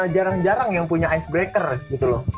jarang jarang yang punya icebreaker gitu loh